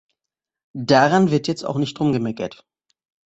Daran wird jetzt auch nicht rumgemeckert!